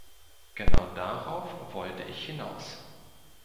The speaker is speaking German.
Genau darauf wollte ich hinaus.